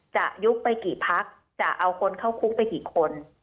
จะยุบไปกี่พักจะเอาคนเข้าคุกไปกี่คน